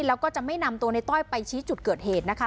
แล้วก็จะไม่นำตัวในต้อยไปชี้จุดเกิดเหตุนะคะ